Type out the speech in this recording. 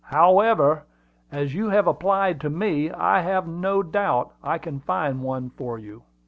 "However, as you have applied to me, I have no doubt I can find one for you."